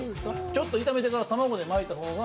ちょっと炒めてから卵で巻いた方が。